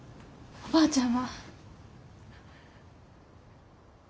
おばあちゃん！